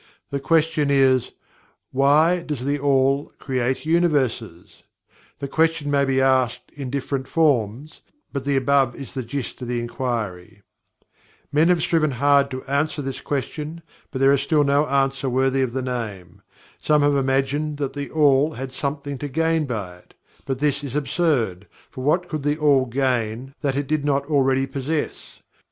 The question is: "WHY does THE ALL create Universes" The question may be asked in different forms, but the above is the gist of the inquiry. Men have striven hard to answer this question, but still there is no answer worthy of the name. Some have imagined that THE ALL had something to gain by it, but this is absurd, for what could THE ALL gain that it did not already possess?